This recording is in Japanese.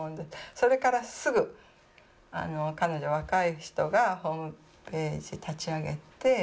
それからすぐ彼女若い人がホームページ立ち上げて。